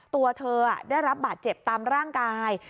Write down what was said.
ตัวเธอได้รับบาดเจ็บตามร่างกาย